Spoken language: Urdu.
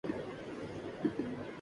تم یہاں سے چلے جاؤ